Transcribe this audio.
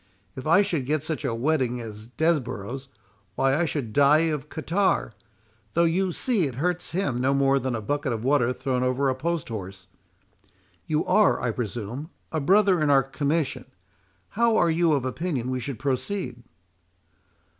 If I should get such a wetting as Desborough's, why I should die of catarrh, though you see it hurts him no more than a bucket of water thrown over a post horse. You are, I presume, a brother in our commission,—how are you of opinion we should proceed?"